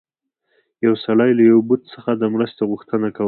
یو سړي له یو بت څخه د مرستې غوښتنه کوله.